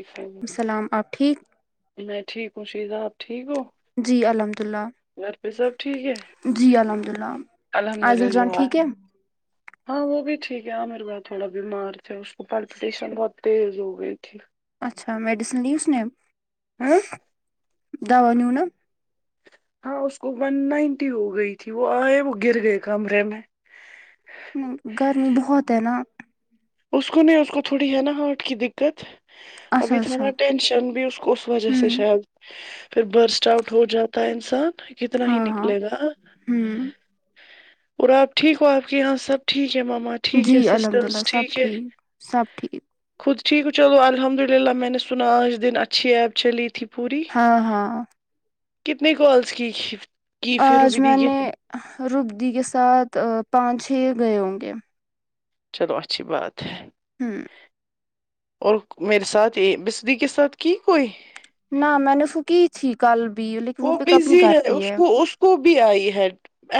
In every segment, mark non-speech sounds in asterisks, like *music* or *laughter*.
tiffin سلام آپ ٹھیک میں ٹھیک خشیید آپ ٹھیک ہو جی الحمد للہ گھر پہ سب ٹھیک ہے جی الحمد اللہ الحمد عضل جان للہ ٹھیک ہے ہاں وہ بھی ٹھیک ہے ہاں میرے بد تھوڑا بیمار تھاے اس کو پیپیٹیشن بہت تیز ہو گئی تھی اچھا میڈیسن لی اس نا ہاں داو نیوں نا ہاں اس کو ون نائنٹی ہو گئی تھی وہ آئے وہ گر گئے کمرے میں گرمی بہت ہے نا اس کو نہیں اس کو تھوڑی ہے نا ہارٹ کی دقت اچھا ابھی تھا اچھا نا ٹینشن بھی اس کو اس وجہ سے ہوں شاید پھر برسٹ آؤٹ ہو جاتا ہے انسان کتنا ہی ہاں ہاں نکلے گا ہوں اور آپ ٹھیک ہو آپ کے یہاں سب ٹھیک ہے ماما ٹھیک ہے جی الحمد اللہ سسٹرس سب ٹھیک سب ٹھیک خود ٹھیک چلو الحمد للہ میں نے سنا آج دن اچھی ایپ چلی تھی پوری ہاں ہاں کتنے کالس کی پھر آج بھی دی میں نے روگ دی کے ساتھ پانچ چھ گے ہوں گے چلو اچھی بات ہے ہوں اور میرے ساتھ یہ بستی کے ساتھ کی کوئی نہ میں نے اس کی تھی کل بھی لیکن وہ پک اپ نہیں بزی کرتی اس ہے کو اس کو بھی آئی ہے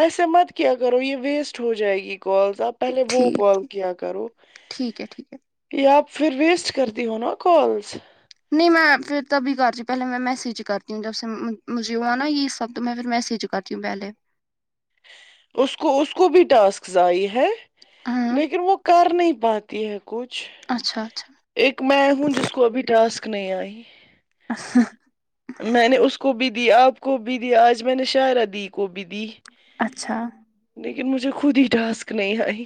ایسے مت کیا کرو یہ ویسٹ ہو جائے گی کالس اب پہلے وہ ٹھیک کال کیا کرو ٹھیک ہے ٹھیک ہے آپ پھر ویسٹ کرتی ہو نا کالس نہیں میں پھر تبھی کرتی ہوں پہلے میں میسیج ہی کرتی ہوں جب سے مجھے ہو نا یہ سب تو میں پھر میسج کرتی کیوں پہلے اس کو اس کو بھی ٹاسکز آئی ہے ہوں لیکن وہ کر نہیں پاتی ہے کچھ اچھا اچھا ایک میں ہوں جس کو ابھی ٹاسک نہیں آئی میں نے اس کو بھی دی آپ کو بھی دی آج میں نے شاہرادی کو بھی دی اچھا لیکن مجھے خود ہی ٹاسک نہیں آئی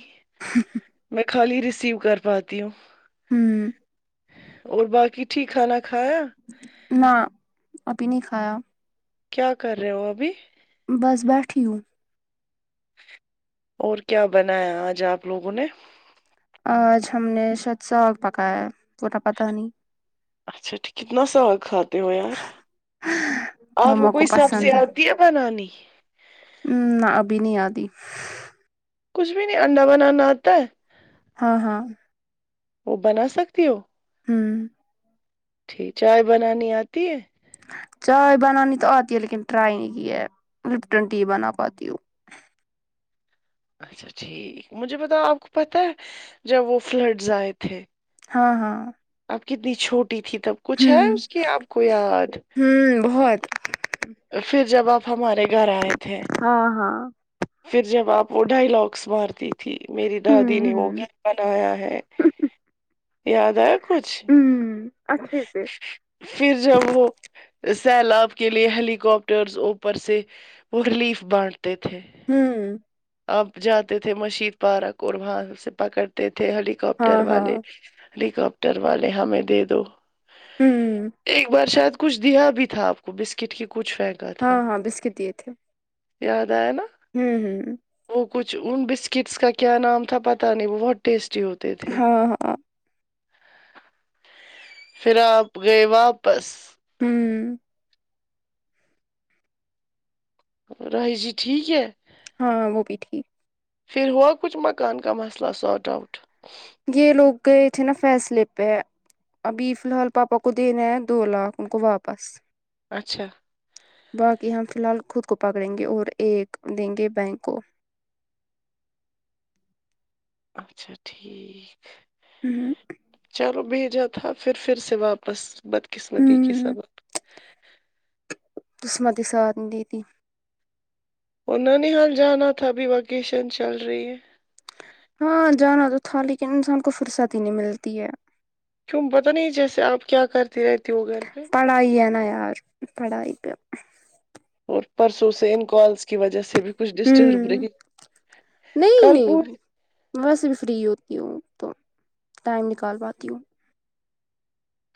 میں خالی ریسیو کر پاتی ہوں ہمم اور باقی ٹھیک کھانا کھایا نہ ابھی نہیں کھایا کیا کر رہے ہو ابھی بس بیٹھی ہوں اور کیا بنایا آج آپ لوگوں نے آج ہم نے شد ساگ پکایا ہے وہ تو پتہ نہیں اچھا ٹھیک کتنا سال خط ہو یار آپ کو کوئی سبزی آتی ہے بنانی ا ابھی نہیں آتیی کچھ بھی نہیں انڈا بنانا آتا ہے ہاں ہاں وہ بنا سکتی ہو ہمم ٹھیک چائے بنانی آتی ہے چائے بنانی تو آتی ہے لیکن ٹرائی نہیں کی ہے لپٹن ٹی بنا پاتی ہوں اچھا ٹھیک مجھے بتاؤ آپ کو پتہ ہے جب وہ فلڈز آئے تھے ہاں ہاں آپ کتنی چھوٹی تھی تب کچھ ہے ہوں اس کی آپ کو یاد ہوں بہت پھر جب آپ ہمارے گھر آئے تھے ہاں ہاں پھر جب آپ وہ ڈائیلاگس مارتی تھی تھی میری ہوں دادی نے وہ ہوں گھر بنایا ہے یاد آیا کچھ ہوں، اچھے سے پھر جب وہ سیلاب کے لیے ہیلی کاپٹرز اوپر سے وہ ریلیف بانٹتے تھے ہوں آپ جاتے تھے مشید پارک اور وہاں سے پکڑتے تھے ہلی ہاں، کاپٹر ہاں، والے ہیلییکپٹر والے ہمیں دے دو ہوں، ایک بار شاید کچھ دیا بھی تھا آپ کو بسکٹ کی کچھ فن تھا ہاں، ہاں، بسکٹ دیے تھے یاد آیا نا ہوں ہوں وہ کچھ ان بسکٹس کا کیا نام تھا پتہ نہیں وہ بہت ٹیسٹی ہوتے تھے ہاں ہاں پھر آپ گئے واپس ہوں راہی جی ٹھیک ہے ہاں وہ بھی ٹھیک پھر ہوا کچھ مکان کا مثلا سارٹ آؤٹ یہ لوگ گئے تھے نا فیصلے پہ ابھی فیلحال پاپا کو دینا ہے دو لاکھ ان کو واپس اچھا باقی ہم فیلحال خود کو پکڑیں گے اور ایک دیں گے بینک کو اچھا ٹھیک ہمم چلو بھیجا تھا پھر پھر سے واپس بدقسمتی کے ہوں ساتھ قسمت ہی ساتھ نہیں دیتی انہوں نے حال جانا تھا ابھی وکیشن چل رہی ہے ہاں جانا تو تھا لیکن انسان کو فرصت ہی نہیں ملتی ہے کیوں پتا نہیں جیسے آپ کیا کرتی رہتی ہو گھر پہ پڑائی ہے نا یار پڑھائی کرتی اور پرسوں سے ان کالس کی وجہ سے بھی کچھ ڈسٹرب ہوں رہی نہیں کل پور نہیں ویسے بھی فری ہوتی ہوں تو ٹائم نکال پاتی ہوں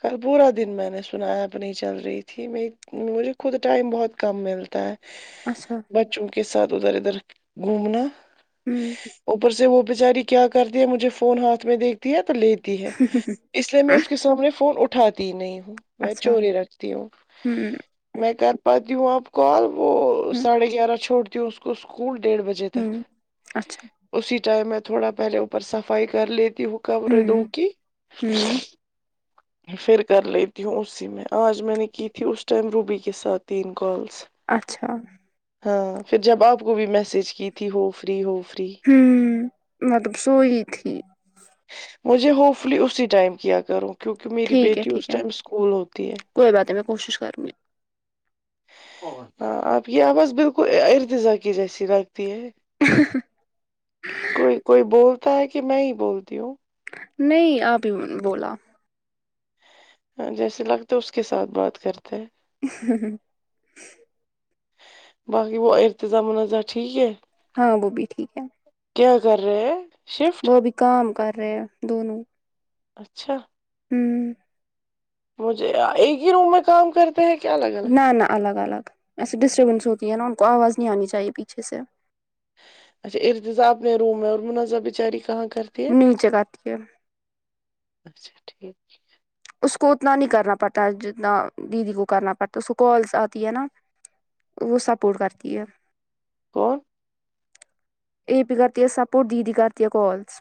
کل پورا دن میں نے سنا آپ نہیں چل رہی تھی میں مجھے خود ٹائم بہت کم ملتا ہے اچھا بچوں کے ساتھ ادھر ادھر گھومنا ہوں اوپر سے وہ بچاری کیا کرتی ہے مجھے فون ہاتھ میں دیکھتی ہے تو لیتی ہے اس لیے میں اس کے سامنے فون اٹھاتی ہی نہیں ہوں میں اچھا چوری رکھتی ہوں ہوں میں کر پاتی ہوں آپ کال وہ ہوں ساڑھے گیارہ چھوڑتی ہوں اس کو اسکول ڈیڑھ بجے تک اچھا اسی ٹائم میں تھوڑا پہلے اوپر صفائی کر لیتی ہوں کمرے روم ہوں کی ہوں پھر کر لیتی ہوں اسی میں آج میں نے کی تھی اس ٹائم روبی کے ساتھ تین کالس اچھا ہاں پھر جب آپ کو بھی میسج کی تھی ہو فری ہو فری ہوں میں تو سوئ ہی تھی مجھے ہوپ فلی اسی ٹائم کیا کروں کیونکہ میری ٹھیک ہے بیٹی ٹھیک اس ہے ٹائم اسکول ہوتی ہے کوئی بات نہیں میں کوشش کروں گی ہاں آپ یہ آواز بلکل اردزا کی جیسی لگتی ہے *inaudible* کوئی کوئی بولتا ہے کہ میں ہی بولتی ہوں نہیں آپ ہی میں ن بولا جیسے لگتا ہے اس کے ساتھ بات کرتے ہیں *inaudible* باقی وہ ارتظام منازا ٹھیک ہے ہاں وہ بھی ٹھیک ہے کیا کر رہے ہیں شفٹ وہ بھی کام کر رہے ہیں دونوں اچھا ہوں مجھے ایک ہی روم میں کام کر نہ نہ الگ الگ ایسے ڈسٹربنس ہوتی ہے نا ان کو آواز نہیں آنی چاہیے پیچھے سے اچھا ارتزا اپنے روم میں اور منازا بچاری کہاں کرتی ہے نیچے گاتی ہے *unintelligible* اس کو اتنا نہیں کرنا پڑتا جتنا دیدی کو کرنا پڑتا ہے اس کو کالس آتی ہے نا وہ سپورٹ کرتی ہے *unintelligible* یہ بھی کرتی ہے سپورٹ دیدی کرتی ہے کالس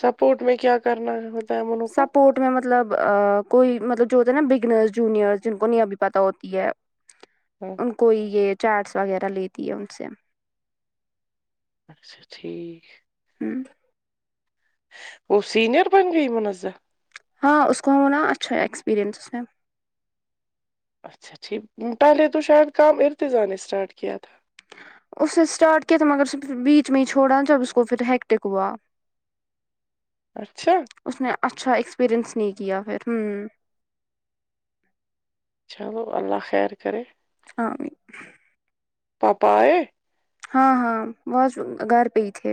سپورٹ میں کیا کرنا ہے ہو سپورٹ میں مطلب کوئی مطلب جو ہو ہے نا بگنرس جونیئرس جن کو نہیں ابھی پتا ہوتی ہے *inaudible* *inaudible* ان کو یہ چیٹس وغیرہ لیتی ہے ان سے اچھا ٹھیک ہوں وہ سینئر بن گئی منزہ ہاں اس کو ہونا اچھا ایکسپیریئنس ہے اچھا ٹھیک پہلے تو شاید کام ارتضی نے اسٹارٹ کیا تھا اس نے اسٹارٹ تھا مگر پھر بیچ میں ہی چھوڑا جب اس کو پھر ہیکٹک ہوا اچھا اس نے اچھا ایکسپیریئنس نہیں کیا پھر ہوں چلو اللہ خیر کرے امم پاپا آئے ہاں ہاں بہت گھر پہ ہی تھے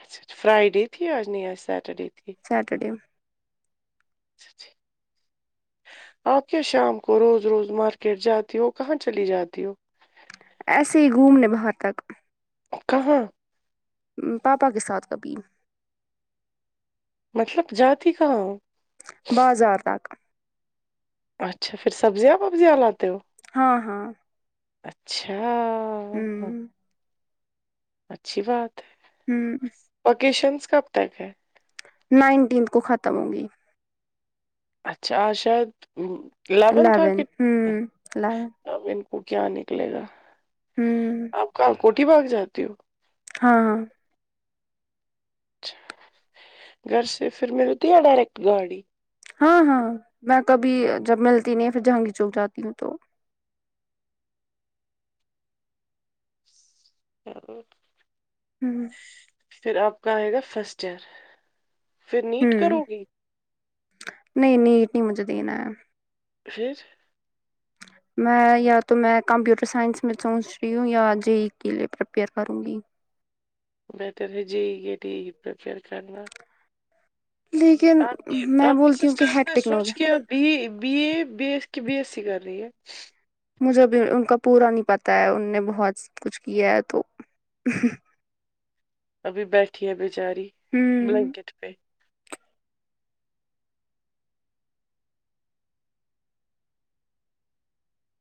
اچھا فرائیڈے تھی یا نہیں آج سیٹرڈے تھی سیٹرڈے اچھا ٹھیک آپ کیا شام کو روز روز مارکیٹ جاتی ہو کہاں چلی جاتی ہو ایسے ہی گھومنے وہاں تک کہاں پاپا کے ساتھ کبھی مطلب جاتی کہاں ہو بازار تک اچھا پھر سبزیاں پبزیاں لاتے ہو ہاں ہاں اچھا ہوں اچھی بات ہے ہوں اوکیشنس کب تک ہے نائنٹینتھ کو ختم ہوگی اچھا آج شاید الیون تھا لیون کہ ہم لیون اب ان کو کیا نکلے گا ہوں آپ کہاں کوٹھی باغ جاتی ہو ہاں اچھا گھر سے پھر ملتی ہیں ڈائریکٹ گاڑی ہاں ہاں میں کبھی جب ملتی نہیں پھر جہانگیر چوک جاتی ہوں تو *inaudible* ہوں پھر آپ کا آئے گا فرسٹ ایئر پھر نیٹ ہوں کرو گی نہیں نہیں مجھے دینا ہے پھر میں یا تو میں کمپیوٹر سائنس میں سوچ رہی ہوں یا جے ای کے لیے پریپیئر کروں گی بٹر ہے جی اے ہی پرفر کرنا لیکن آپ کی میں آپ کی بولتی ہوں کہ سسٹرس نے ہیکٹک نہ ہو سوچ جائے کیا B B A B S کی بی ایس سی کر رہی ہے مجھے اب ان کا پورا نہیں پتہ ہے ان نے بہت کچھ کیا ہے تو ابھی بیٹھی ہے بیچاری ہوں بلینکٹ پہ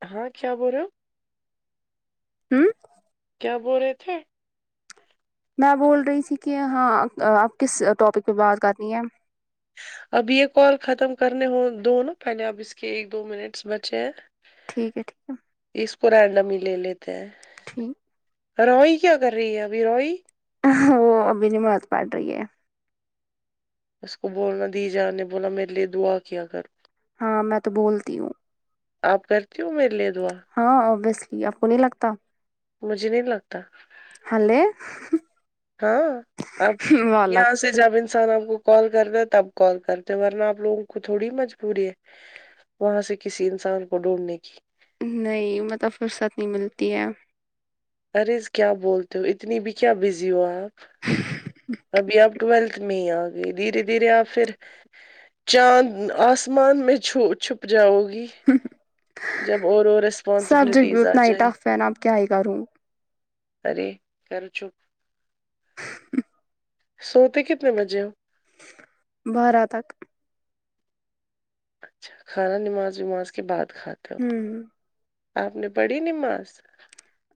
ہاں کیا بول رہے ہو ہوں کیا بول رہے تھے میں بول رہی تھی کہ ہاں آپ کس ٹاپک پہ بات کرنی ہے اب یہ کال ختم کرنے ہو دو نا پہلے اب اس کے ایک دو منٹس بچے ہیں ٹھیک ہے ٹھیک ہے اس کو رینڈم ہی لے لیتے ہیں ٹھیک روئی کیا کر رہی ہے ابھی روئی ہاں وہ ابھی نماز پڑ رہی ہے اس کو بولنا دی جان نے بولا میرے لیے دعا کیا کر ہاں میں تو بولتی ہوں آپ کرتی ہو میرے لیے دعا ہاں ابوسلی اپ کو نہیں ہی لگتا مجھے نہیں لگتا ہلے ہاں آپ یہاں والک سے جب انسان آپ کو کال کرتا ہے تب کال کرتے ورنہ آپ لوگوں کو تھوڑی مجبوری ہے وہاں سے کسی انسان کو ڈھونڈنے کی نہیں مطلب فرصت نہیں ملتی ہے ارض کیا بولتے ہو اتنی بھی کیا بزی ہو آپ ابھی آپ ٹویلتھ میں ہی آ گئی دھیرے دھیرے آپ پھر چاند آسمان میں چھو چھپ جاؤ گی جب اور اور رسپانسبلٹیز آ جائے فین آپ کیا ہی کروں ارے کر چو سوتے کتنے بجے ہو بارہ تک اچھا کھانا نماز وماز کے بعد کھاتے ہو ہوں آپ نے پڑھی نماز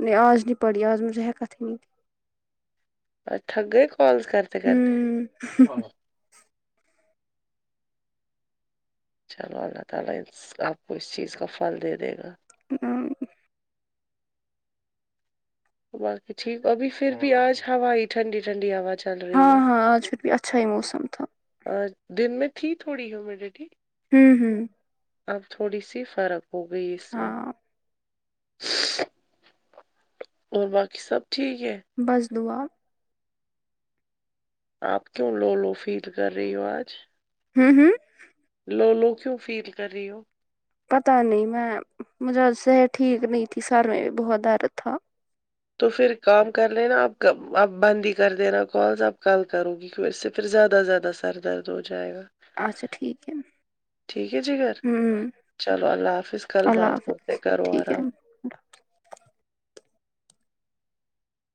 نہیں آ نہیں پڑھی آز مج سے ہییککت ہی نہیں تھی اج تھک گے کالس کرتے کرتے تھی چلو اللہ تعالی آپ کو اس چیز کا پھل دے دے گا ہ باقی ٹھیک ابھی پھر بھی آج ہوا ہی ٹھنڈی ٹھنڈی ہوا چل رہی ہاں ہے ہاں آج پھر بھی اچھا ہی موسم تھا دن میں تھی تھوڑی ہیمیڈیٹی ہوں ہوں اب تھوڑی سی فرق ہو گئی اس میں ہاں اور باقی سب ٹھیک ہے بس دعا آپ کیوں لو لو فیل کر رہی ہو آج ہوں ہوں لو لو کیوں فیل کر رہی ہو پتاہ نہیں میں مجھے صحت ٹھیک نہیں تھی سر میں بھی بہت درد تھا تو پھر کام کر لینا آپ اپ بند ہی کر دینا کالس اپ کل کرو گی پھر سے پھر زیادہ زیادہ سر درد ہو جائے گا اچھا ٹھیک ہے ٹھیک ہے جگر ہوں چلو اللہ حافظ کل اللہ بات کرتے حافظ کرو ٹھیک آرام ہے